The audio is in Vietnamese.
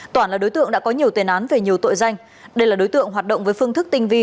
toản là đối tượng đã có nhiều tiền án về nhiều tội danh đây là đối tượng hoạt động với phương thức tinh vi